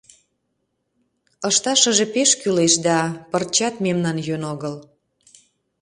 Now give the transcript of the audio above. «Ышташыже пеш кӱлеш да... пырчат мемнан йӧн огыл.